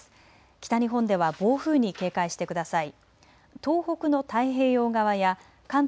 北日本では暴風に警戒してください。